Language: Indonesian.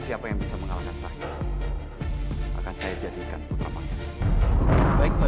dia yang sudah membuat saya menjadi seperti ini kan